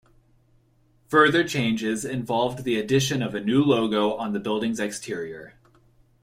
Further changes involved the addition of a new logo on the building's exterior.